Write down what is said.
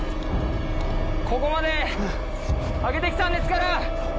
ここまで上げて来たんですから！